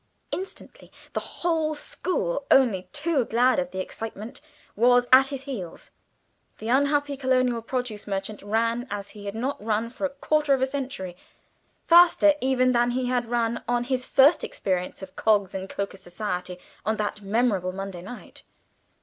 Instantly the whole school, only too glad of the excitement, was at his heels. The unhappy Colonial Produce merchant ran as he had not run for a quarter of a century, faster even than he had on his first experience of Coggs' and Coker's society on that memorable Monday night.